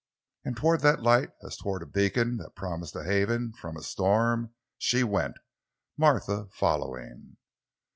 And toward that light, as toward a beacon that promised a haven from a storm, she went, Martha following.